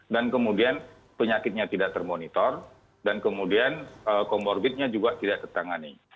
kemudian penyakitnya tidak termonitor dan kemudian comorbidnya juga tidak tertangani